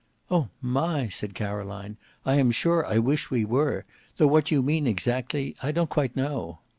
"Oh! my," said Caroline. "I am sure I wish we were; though what you mean exactly I don't quite know."